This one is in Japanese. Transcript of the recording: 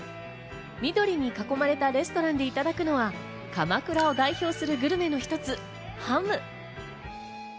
緑に囲まれたレストランでいただくのは、鎌倉を代表するグルメの一つ、ハム。